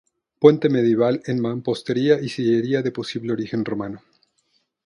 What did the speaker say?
Puente medieval en mampostería y sillería de posible origen romano.